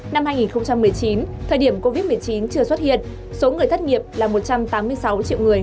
năm hai nghìn một mươi chín thời điểm covid một mươi chín chưa xuất hiện số người thất nghiệp là một trăm tám mươi sáu triệu người